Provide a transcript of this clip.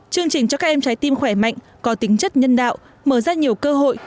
chương trình cho các em trái tim khỏe mạnh có tính chất nhân đạo mở ra nhiều cơ hội